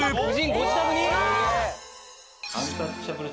ご自宅に？